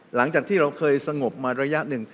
หลังจากที่เราเคยสงบมาระยะหนึ่ง